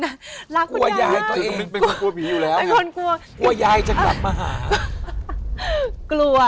กลัวยายจะกลับมาหา